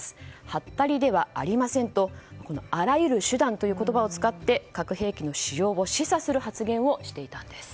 はったりではありませんとあらゆる手段という言葉を使い核兵器の使用を示唆する発言をしていたんです。